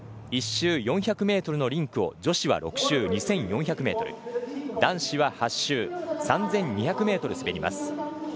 １周４００ｍのリンクを女子は６周、２４００ｍ男子は８周、３２００ｍ滑ります。